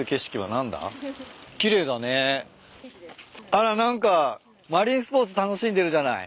あら何かマリンスポーツ楽しんでるじゃない。